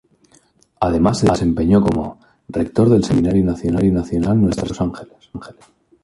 Además se desempeñó como: Rector del Seminario Nacional Nuestra Señora de los Ángeles.